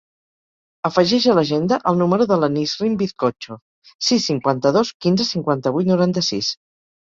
Afegeix a l'agenda el número de la Nisrin Bizcocho: sis, cinquanta-dos, quinze, cinquanta-vuit, noranta-sis.